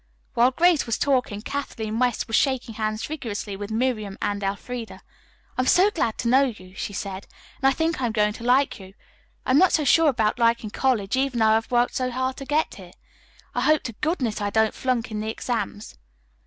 While Grace was talking, Kathleen West was shaking hands vigorously with Miriam and Elfreda. "I'm so glad to know you," she said, "and I think I'm going to like you. I'm not so sure about liking college, even though I've worked so hard to get here. I hope to goodness I don't flunk in the exams."